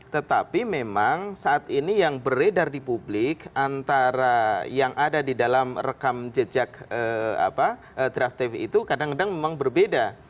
tetapi memang saat ini yang beredar di publik antara yang ada di dalam rekam jejak draft tv itu kadang kadang memang berbeda